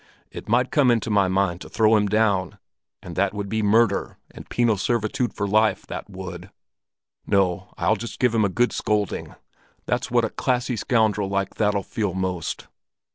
It might come into my mind to throw him down, and that would be murder and penal servitude for life, that would! No, I'll just give him a good scolding; that's what a classy scoundrel like that'll feel most."